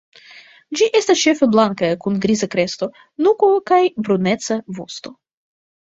Ĝi estas ĉefe blanka, kun griza kresto, nuko kaj bruneca vosto.